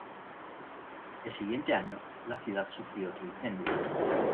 El siguiente año la ciudad sufrió otro incendio.